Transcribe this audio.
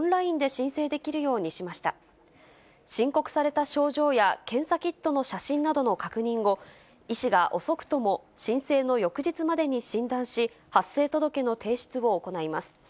申告された症状や検査キットの写真などの確認を医師が遅くとも申請の翌日までに診断し、発生届の提出を行います。